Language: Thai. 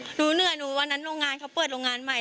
หนูเหนื่อยหนูวันนั้นโรงงานเขาเปิดโรงงานใหม่